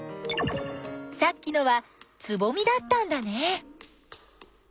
さっきのはつぼみだったんだね。